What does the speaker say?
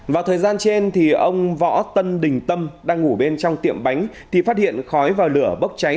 vào thời gian trên thì ông võ tân đình tâm đang ngủ bên trong tiệm bánh thì phát hiện khói và lửa bốc cháy